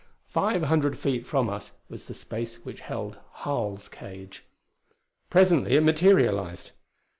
Five hundred feet from us was the space which held Harl's cage. Presently it materialized!